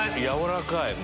軟らかい！